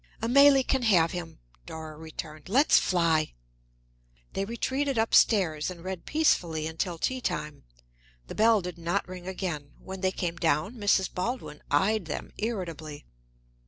"Amélie can have him," Dora returned. "Let's fly." They retreated up stairs and read peacefully until tea time. The bell did not ring again. When they came down, Mrs. Baldwin eyed them irritably.